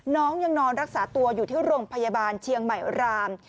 น้องยังนอนรักษาตัวอยู่ที่โรงพยาบาลเชียงใหม่ราม